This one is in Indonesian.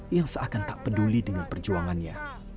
yang seakan tak peduli dengan perjuangannya